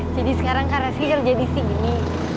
jadi sekarang karasih harus jadi di sini